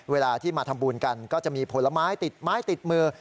เวลาที่มาทำบุญกันก็จะมีผลไม้ติดไม้ติดมือ